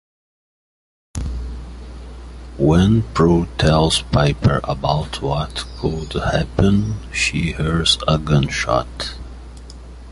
When Prue tells Piper about what could happen, she hears a gunshot.